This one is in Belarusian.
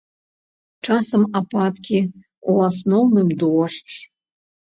Часам ападкі, у асноўным дождж.